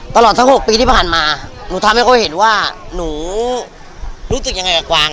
ตลอดทั้ง๖ปีที่ผ่านมาหนูทำให้เขาเห็นว่าหนูรู้สึกยังไงกับกวาง